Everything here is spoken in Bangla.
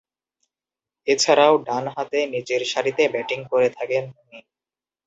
এছাড়াও, ডানহাতে নিচেরসারিতে ব্যাটিং করে থাকেন তিনি।